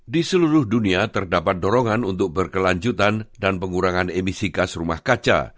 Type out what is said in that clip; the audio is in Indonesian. di seluruh dunia terdapat dorongan untuk berkelanjutan dan pengurangan emisi gas rumah kaca